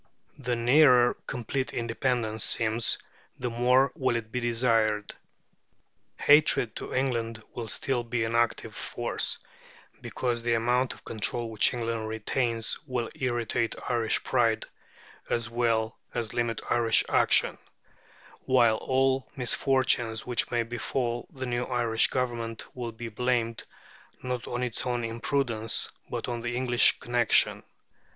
The nearer complete independence seems, the more will it be desired. Hatred to England will still be an active force, because the amount of control which England retains will irritate Irish pride, as well as limit Irish action; while all the misfortunes which may befall the new Irish Government will be blamed, not on its own imprudence, but on the English connection.